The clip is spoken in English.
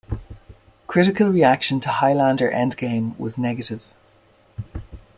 Critical reaction to "Highlander: Endgame" was negative.